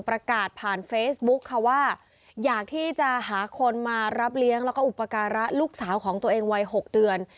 ประกาศผ่านเฟซบุ๊คค่ะว่าอยากที่จะหาคนมารับเลี้ยงแล้วก็อุปการะลูกสาวของตัวเองวัย๖เดือน